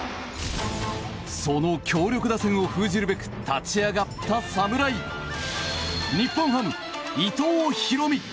その強力打線を封じるべく立ち上がった侍日本ハム、伊藤大海。